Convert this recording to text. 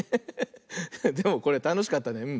でもこれたのしかったね。